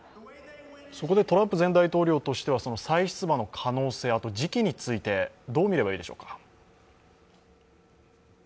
そこでトランプ前大統領としては再出馬の可能性、あと時期について、どう見ればいいでしょうか。